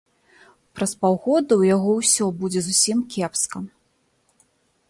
Праз паўгода ў яго ўсё будзе зусім кепска.